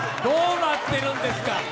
どうなってるんですか？